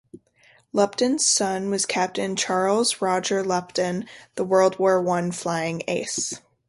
Lupton's son was Captain Charles Roger Lupton, the World War One flying ace.